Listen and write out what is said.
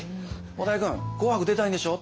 「小田井君『紅白』出たいんでしょ？